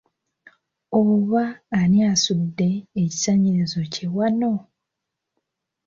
Oba ani asudde ekisanirizo kye wano?